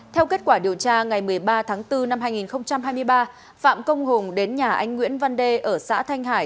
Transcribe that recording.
theo kết quả điều tra ngày một mươi ba tháng bốn năm hai nghìn hai mươi ba phạm công hùng đến nhà anh nguyễn văn đê ở xã thanh hải